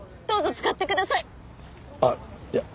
どうぞ使ってください。